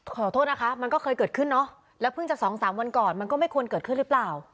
ขอโทษนะคะมันก็เคยเกิดขึ้นเนอะแล้วเพิ่งจะสองสามวันก่อนมันก็ไม่ควรเกิดขึ้นหรือเปล่า